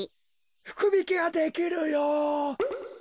ふくびきができるよ。